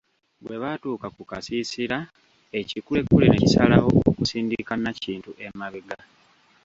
Bwe batuuka ku kasiisira ekikulekule ne kisalawo okusindika Nakintu emabega .